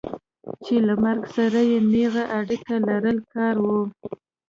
چې له مرګ سره یې نېغه اړیکه لرل کار و.